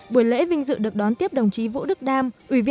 buổi lễ vinh dự được đón tiếp đồng chí vũ đức đam